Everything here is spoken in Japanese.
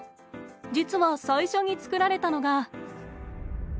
実は最初に作られたのが。